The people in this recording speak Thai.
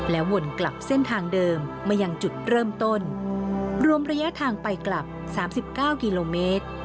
และวนกลับเส้นทางเดิมมาอย่างจุดเริ่มต้นรวมระยะทางไปกลับสามสิบเก้ากิโลเมตร